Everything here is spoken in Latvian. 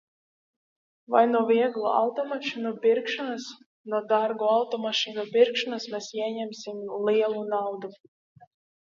Vai no vieglo automašīnu pirkšanas, no dārgo automašīnu pirkšanas mēs ieņemsim lielu naudu?